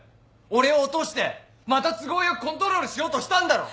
俺を落としてまた都合良くコントロールしようとしたんだろ！？